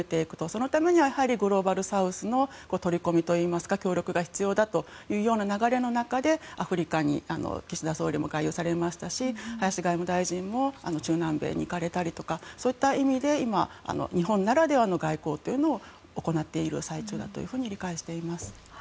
そのためにはグローバルサウスの取り込みといいますか協力が必要だというような流れの中でアフリカに岸田総理も外遊されましたし林外務大臣も中南米に行かれたりとかそういった意味で日本ならではの外交というのを行っている最中だというふうに理解しています。